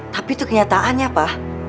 tapi itu kenyataannya pa